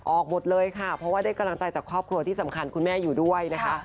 ออกหมดเลยค่ะเพราะว่าได้กำลังใจจากครอบครัวที่สำคัญคุณแม่อยู่ด้วยนะคะ